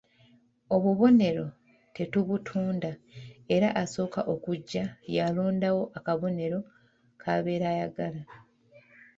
Obubonero tetubutunda era asooka okujja y'alondawo akabonero k'abeera ayagala.